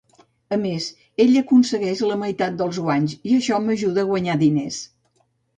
A més ell aconsegueix la meitat dels guanys i això m'ajuda a guanyar diners.